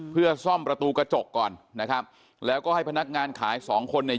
เพื่อซ่อมประตูกระจกก่อนนะครับแล้วก็ให้พนักงานขายสองคนเนี่ย